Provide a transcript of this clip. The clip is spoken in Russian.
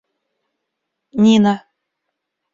Нина